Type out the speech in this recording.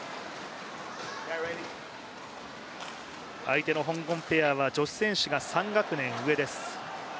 相手の香港ペアは女子選手が３学年上です。